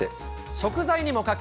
食材にもかけ。